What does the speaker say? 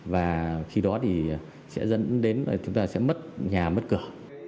và khi đó sẽ dẫn đến chúng ta sẽ mất nhà mất cửa